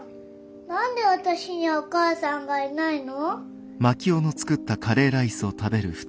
何で私にはお母さんがいないの？